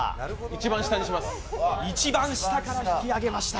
一番下を引き上げました。